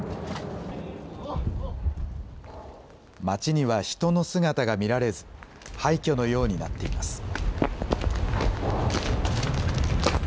街には人の姿が見られず廃虚のようになっています。